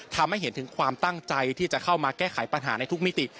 ทำให้เห็นถึงความตั้งใจที่จะเข้ามาแก้ไขปัญหาในทุกมิติ